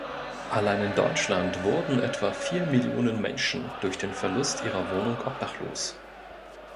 Allein in Deutschland wurden etwa vier Millionen Menschen durch den Verlust ihrer Wohnung obdachlos.